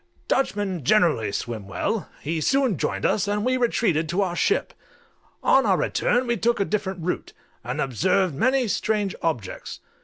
Dutchmen generally swim well: he soon joined us, and we retreated to our ship. On our return we took a different route, and observed many strange objects.